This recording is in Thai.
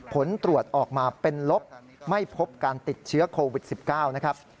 ผลตรวจออกมาเป็นลบไม่พบการติดเชื้อโควิด๑๙นะครับ